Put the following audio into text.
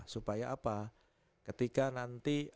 supaya apa ketika nanti